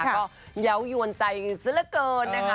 ก็เยาวยวนใจซะละเกินนะคะ